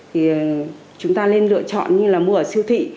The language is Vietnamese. thì chúng ta nên lựa chọn như là mua ở siêu thị